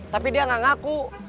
tapi dia nggak ngaku